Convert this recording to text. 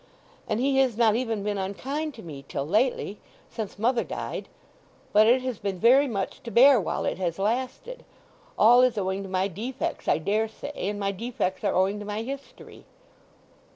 "And he has not even been unkind to me till lately—since mother died. But it has been very much to bear while it has lasted. All is owing to my defects, I daresay; and my defects are owing to my history."